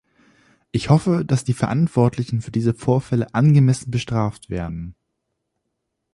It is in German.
Ich hoffe, dass die Verantwortlichen für diese Vorfälle angemessen bestraft werden.